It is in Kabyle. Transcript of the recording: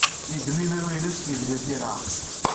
Yeddem imru-nnes, yebda tira.